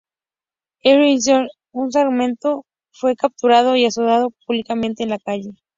En Rishon LeZion un sargento fue capturado y azotado públicamente en la calle.